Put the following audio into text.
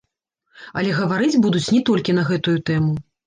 Але гаварыць будуць не толькі на гэтую тэму.